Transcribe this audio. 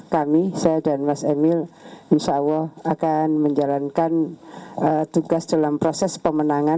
kami saya dan mas emil insya allah akan menjalankan tugas dalam proses pemenangan